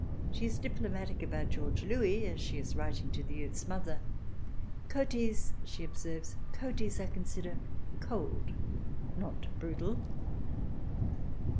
She is diplomatic about George Louis, as she is writing to the youth's mother. "Cotys," she observes, " Cotys, I consider, cold not brutal."